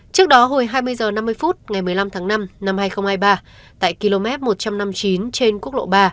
trước đó hồi hai mươi h năm mươi phút ngày một mươi năm tháng năm năm hai nghìn hai mươi ba tại km một trăm năm mươi chín trên quốc lộ ba